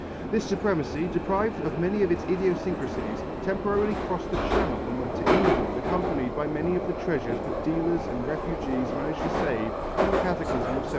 This supremacy, deprived of many of its idiosyncrasies, temporarily crossed the Channel and went to England accompanied by many of the treasures that dealers and refugees managed to save from the cataclysm of 1779.